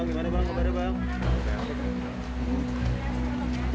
gimana mau direhab ardhita